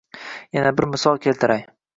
Yana bir misol keltiray: